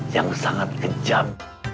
yang sangat kejam